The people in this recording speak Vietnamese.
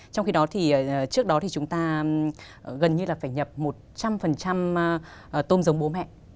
trong khi đó thì trước đó thì chúng ta gần như là phải nhập một trăm linh tôm giống bố mẹ